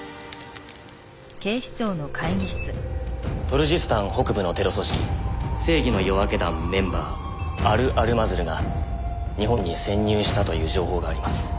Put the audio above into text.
トルジスタン北部のテロ組織「正義の夜明け団」メンバーアル・アルマズルが日本に潜入したという情報があります。